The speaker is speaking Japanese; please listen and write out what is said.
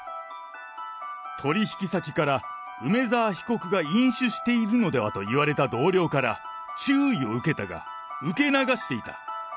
取り引き先から、梅沢被告が飲酒しているのではと言われた同僚から注意を受けたが、受け流していた。